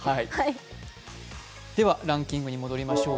では、ランキングに戻りましょう。